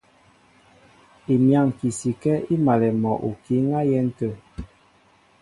Imyáŋki sikɛ́ í malɛ mɔ okǐ á yɛ́n tə̂.